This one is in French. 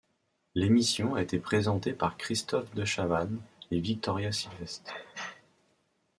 L'émission a été présenté par Christophe Dechavanne et Victoria Silvstedt.